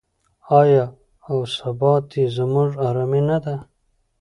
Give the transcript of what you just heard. آیا او ثبات یې زموږ ارامي نه ده؟